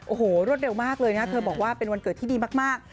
โอ้โหรวดเร็วมากเลยนะเธอบอกว่าเป็นวันเกิดที่ดีมาก